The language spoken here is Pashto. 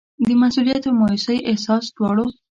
د مسوولیت او مایوسۍ احساس دواړه.